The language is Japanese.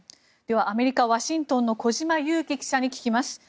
アメリカ・ワシントンの小島佑樹記者に聞きます。